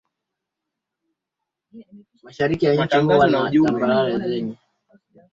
Kulikuwa na magari mengi yameegeshwa na Jacob alihisi kuna hatari mbele yake